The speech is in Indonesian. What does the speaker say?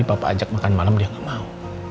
pak ajak makan malam dia nggak mau